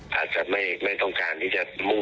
หรือไม่ต้องการที่จะห๒๐๑๒